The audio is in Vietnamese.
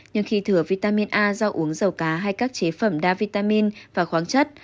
nhưng khi thừa vitamin a do uống dầu cá hay các chế phẩm đa vitamin và khoáng chất